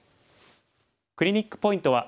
クリニックポイントは。